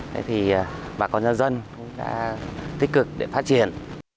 thế thì bà con nhân dân cũng đã tích cực để phát triển